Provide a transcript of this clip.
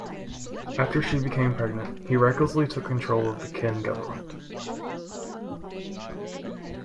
After she became pregnant, he recklessly took control of the Qin government.